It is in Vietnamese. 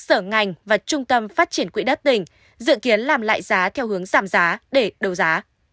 sở ngành và trung tâm phát triển quỹ đất tỉnh dự kiến làm lại giá theo hướng giảm giá để đấu giá